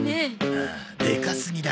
ああでかすぎだ。